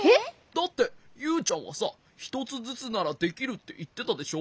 だってユウちゃんはさひとつずつならできるっていってたでしょ？